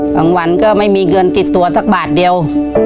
วันก็ไม่มีเงินติดตัวสักบาทเดียว